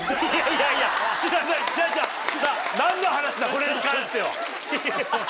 これに関してはハハハ。